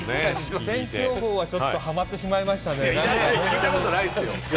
天気予報はちょっとハマってしまいましたね。